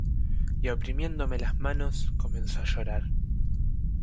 y oprimiéndome las manos, comenzó a llorar.